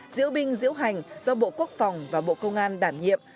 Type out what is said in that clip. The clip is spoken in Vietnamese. diễu binh diễu hành do bộ quốc phòng và bộ công an đảm nhiệm